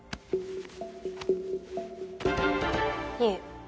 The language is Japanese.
いえ。